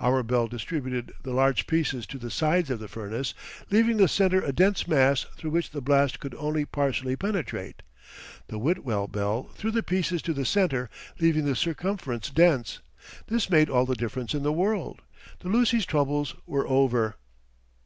Our bell distributed the large pieces to the sides of the furnace, leaving the center a dense mass through which the blast could only partially penetrate. The Whitwell bell threw the pieces to the center leaving the circumference dense. This made all the difference in the world. The Lucy's troubles were over.